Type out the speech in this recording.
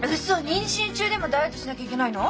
妊娠中でもダイエットしなきゃいけないの？